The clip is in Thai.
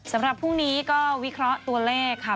สำหรับพรุ่งนี้ก็วิเคราะห์ตัวเลขค่ะ